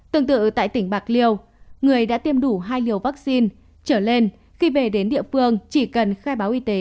tương tự tại tỉnh bạc liêu người đã tiêm đủ hai liều vaccine trở lên khi về đến địa phương chỉ cần khai báo y tế